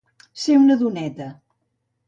Ser un doneta.